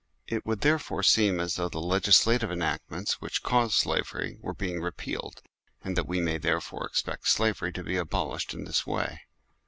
It would therefore seem as though the legislative enactments which cause slavery were being repealed, and that we may therefore expect slavery to be abolished in this way.